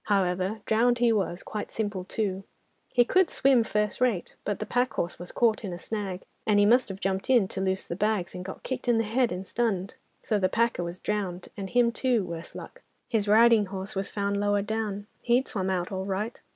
However, drowned he was, quite simple too. He could swim first rate, but the pack horse was caught in a snag, and he must have jumped in, to loose the bags, and got kicked on the head and stunned. So the packer was drowned, and him too, worse luck! His riding horse was found lower down—he'd swum out all right.